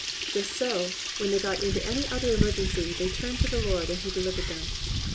Just so, when they got into any other emergency they turned to the Lord and He delivered them.